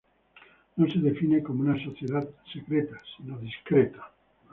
No se define como una sociedad secreta, sino discreta.